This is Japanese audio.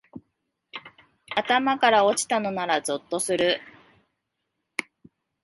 頭から落ちたのならゾッとする